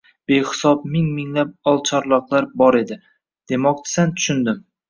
—… behisob — ming-minglab oqcharloqlar bor edi, demoqchisan, tushundim.